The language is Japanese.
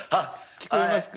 聞こえますか？